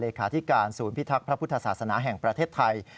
าธิการศูนย์พิทักษ์พระพุทธศาสนาแห่งประเทศไทย